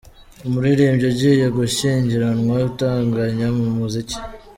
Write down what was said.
Umuririmbyi ugiye gushyingiranwa utunganya mu muziki